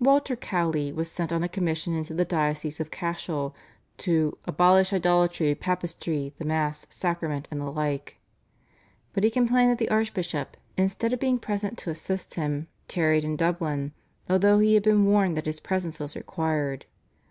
Walter Cowley was sent on a commission into the diocese of Cashel to "abolish idolatry, papistry, the Mass Sacrament and the like," but he complained that the archbishop, instead of being present to assist him, tarried in Dublin although he had been warned that his presence was required.